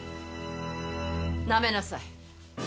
舐めなさい。